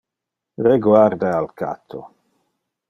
Reguarda al catto.